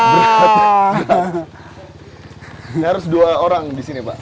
harus dua orang di sini pak